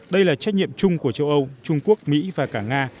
đây là trách nhiệm chung của châu âu trung quốc mỹ và cả nga